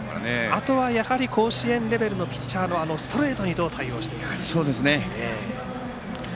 あとは甲子園レベルのピッチャーのストレートにどう対応していくか。